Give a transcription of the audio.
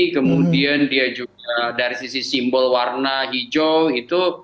kemudian dia juga dari sisi simbol warna hijau itu